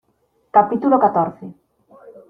capítulo catorce.